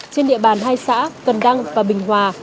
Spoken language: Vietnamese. trên địa bàn hai xã cần đăng và bình hòa